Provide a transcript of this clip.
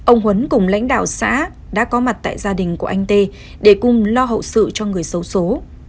ông huấn cùng lãnh đạo xã đã có mặt tại gia đình của anh tê để cùng lo hậu sự cho người xấu xố